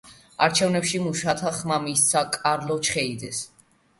არჩევნებში მუშათა ხმა მისცა კარლო ჩხეიძეს.